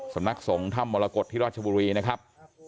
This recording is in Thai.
สำนักสงฆ์ถ้ำมรกฏที่ราชบุรีนะครับ